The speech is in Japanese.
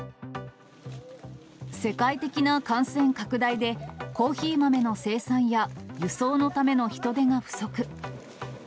世界的な感染拡大で、コーヒー豆の生産や輸送のための人手が不足。